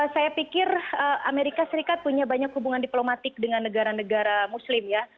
saya pikir amerika serikat punya banyak hubungan diplomatik dengan negara negara muslim ya